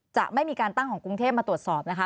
จะไม่มีการตั้งของกรุงเทพมาตรวจสอบนะคะ